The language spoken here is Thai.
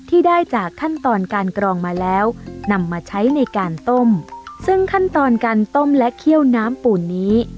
ที่ได้จากขั้นตอนการกรองมาแล้วนำมาใช้ในการต้มซึ่งขั้นตอนการต้มและเคี่ยวน้ำปูนนี้